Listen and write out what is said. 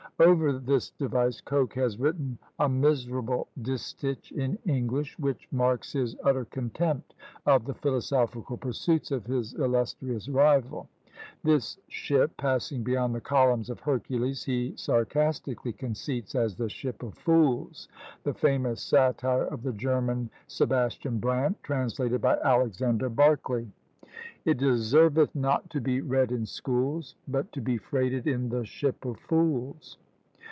Over this device Coke has written a miserable distich in English, which marks his utter contempt of the philosophical pursuits of his illustrious rival. This ship passing beyond the columns of Hercules he sarcastically conceits as "The Ship of Fools," the famous satire of the German Sebastian Brandt, translated by Alexander Barclay. _It deserveth not to be read in schools, But to be freighted in the Ship of Fools.